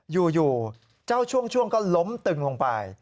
อยู่เจ้าช่วงก็ล้มตึงลงไป